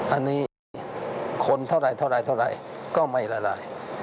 อันนี้คนเท่าไหร่ก็ไม่ละลาย